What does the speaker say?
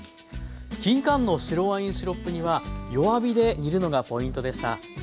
きんかんの白ワインシロップ煮は弱火で煮るのがポイントでした。